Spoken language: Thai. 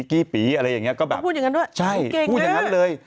กี่ปีอะไรอย่างนี้ก็แบบใช่พูดอย่างนั้นเลย